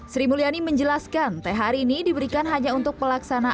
sri mulyani menjelaskan thr ini diberikan hanya untuk pelaksanaan